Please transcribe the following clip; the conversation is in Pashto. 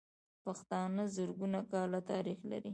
پښتانه زرګونه کاله تاريخ لري.